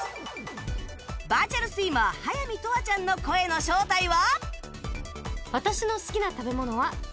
バーチャルスイマー速水永遠ちゃんの声の正体は